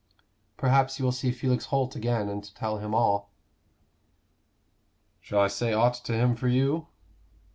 "Perhaps you will see Felix Holt again and tell him all?" "Shall I say aught to him for you?"